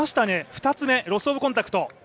２つ目、ロス・オブ・コンタクト。